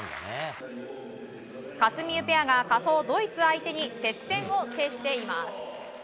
かすみうペアが仮想ドイツ相手に接戦を制しています。